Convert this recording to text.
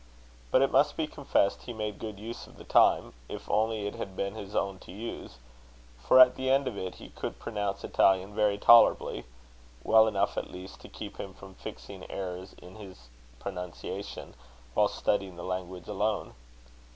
But it must be confessed he made good use of the time if only it had been his own to use; for at the end of it he could pronounce Italian very tolerably well enough, at least, to keep him from fixing errors in his pronunciation, while studying the language alone.